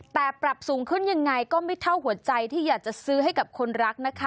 แต่ปรับสูงขึ้นยังไงก็ไม่เท่าหัวใจที่อยากจะซื้อให้กับคนรักนะคะ